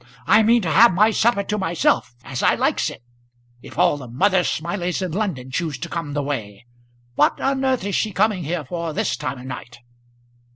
I mean to have my supper to myself, as I likes it, if all the Mother Smileys in London choose to come the way. What on earth is she coming here for this time of night?"